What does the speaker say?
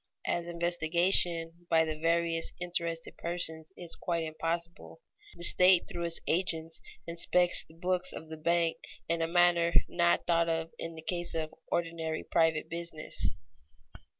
As investigation by the various interested persons is quite impossible, the state through its agents inspects the books of the bank in a manner not thought of in the case of ordinary private business.